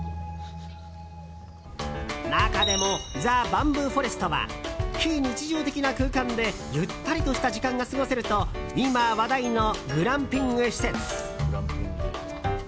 中でも、ＴｈｅＢａｍｂｏｏＦｏｒｅｓｔは非日常的な空間でゆったりとした時間が過ごせると今、話題のグランピング施設。